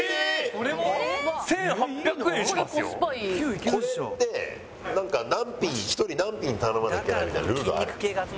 これってなんか何品１人何品頼まなきゃいけないみたいなルールあるんですか？